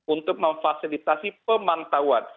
untuk memfasilitasi pemantauan